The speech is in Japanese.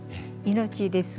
命です。